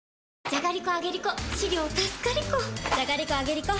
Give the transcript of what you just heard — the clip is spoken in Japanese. じゃがりこ、あげりこ！